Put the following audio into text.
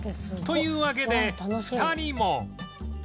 というわけで２人も